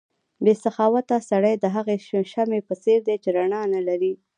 بې سخاوته سړی د هغې شمعې په څېر دی چې رڼا نه لري.